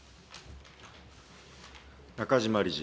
中嶋理事。